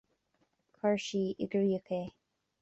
Chuir sí i gcrích é.